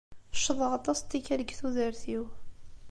Ccḍeɣ aṭas n tikkal deg tudert-iw.